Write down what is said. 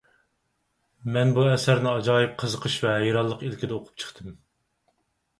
مەن بۇ ئەسەرنى ئاجايىپ قىزىقىش ۋە ھەيرانلىق ئىلكىدە ئوقۇپ چىقتىم.